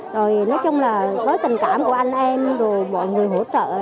rồi nói chung là với tình cảm của anh em rồi mọi người hỗ trợ